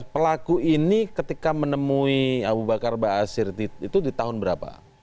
pelaku ini ketika menemui abu bakar ba'asyir itu di tahun berapa